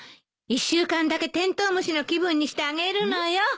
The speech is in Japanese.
１週間だけテントウムシの気分にしてあげるのよ。